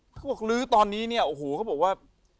เขาบอกลื้อตอนนี้เนี่ยโอ้โหเขาบอกว่า